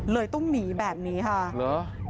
เลยต้องหนีแบบนี้ค่ะเหรอ